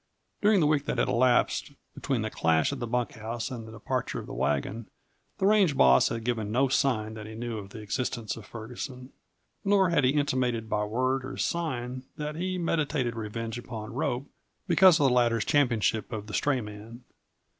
During the week that had elapsed between the clash at the bunkhouse and the departure of the wagon the range boss had given no sign that he knew of the existence of Ferguson. Nor had he intimated by word or sign that he meditated revenge upon Rope because of the latter's championship of the stray man.